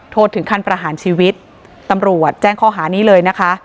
โทษถึงขั้นประหารชีวิตตำรวจแจ้งข้อหานี้เลยนะคะ